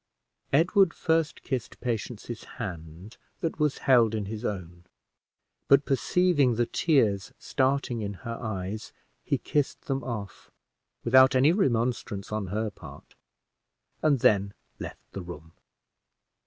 Edward first kissed Patience's hand, that was held in his own; but, perceiving the tears starting in her eyes, he kissed them off, without any remonstrance on her part, and then left the room.